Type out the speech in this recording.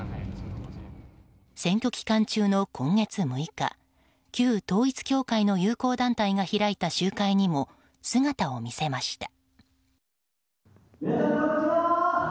選挙期間中の今月６日旧統一教会の友好団体が開いた集会にも姿を見せました。